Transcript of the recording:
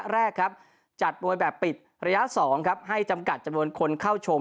แรกครับจัดมวยแบบปิดระยะ๒ครับให้จำกัดจำนวนคนเข้าชม